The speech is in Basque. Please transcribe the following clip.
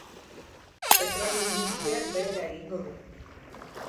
Petrolio-industriak behera egingo du.